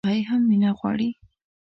سپي هم مینه غواړي.